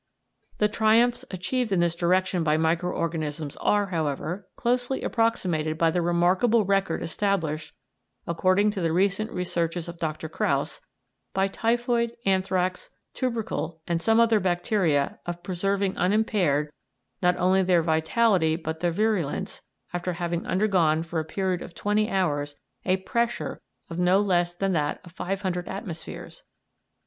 The triumphs achieved in this direction by micro organisms are, however, closely approximated by the remarkable record established, according to the recent researches of Dr. Krause, by typhoid, anthrax, tubercle, and some other bacteria of preserving unimpaired not only their vitality but their virulence after having undergone for a period of twenty hours a pressure of no less than that of 500 atmospheres.